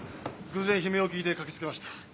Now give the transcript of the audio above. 偶然悲鳴を聞いて駆け付けました。